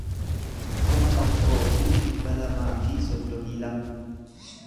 kuma tokkoo fi dhibba lamaa fi soddomii lama